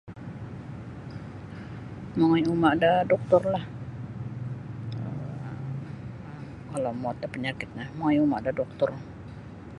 Mongoi uma' da doktorlah um kalau muwot da panyakit no mongoi uma' da doktor.